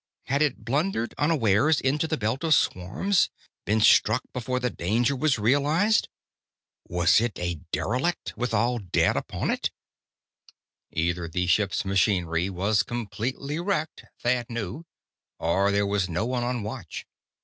Had it blundered unawares into the belt of swarms been struck before the danger was realized? Was it a derelict, with all dead upon it? Either the ship's machinery was completely wrecked, Thad knew, or there was no one on watch.